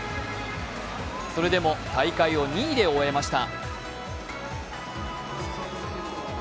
それでも大会を２位で終えました。